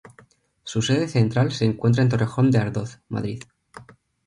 Su sede central se encuentra en Torrejón de Ardoz, Madrid.